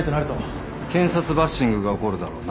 検察バッシングが起こるだろうな。